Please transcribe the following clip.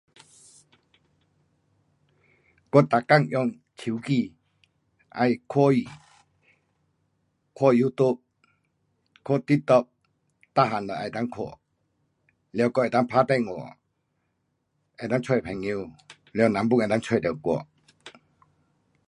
我每天用手机，要看戏。看 youtube, 看 tiktok, 全部都能够看。了还能够打电话，能够找朋友，了人 pun 能够找我。